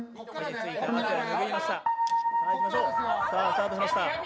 さあ、スタートしました。